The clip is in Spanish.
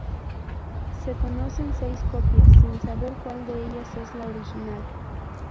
Se conocen seis copias, sin saber cual de ellas es la original.